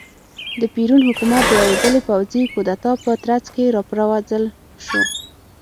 د پېرون حکومت د یوې بلې پوځي کودتا په ترڅ کې را وپرځول شو.